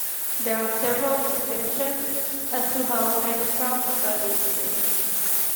There are several suggestions as to how Ancroft got its name.